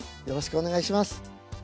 よろしくお願いします。